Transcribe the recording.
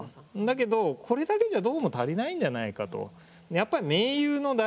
だけどこれだけじゃどうも足りないんじゃないかと。